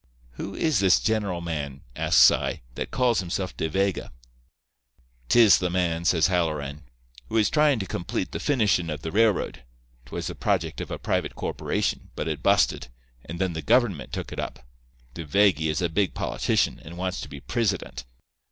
"'Who is this general man,' asks I, 'that calls himself De Vega?' "''Tis the man,' says Halloran, 'who is tryin' to complete the finishin' of the railroad. 'Twas the project of a private corporation, but it busted, and then the government took it up. De Vegy is a big politician, and wants to be prisident.